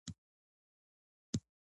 اوس موږ مېز او کاچوغې لرو خو آداب نه لرو.